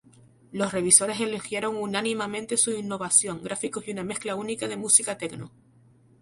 Los revisores elogiaron unánimemente su innovación, gráficos y una mezcla única de música techno.